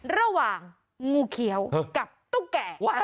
ระหว่างงูเขียวกับตุ๊กแก่